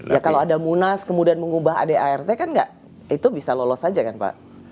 ya kalau ada munas kemudian mengubah adart kan itu bisa lolos saja kan pak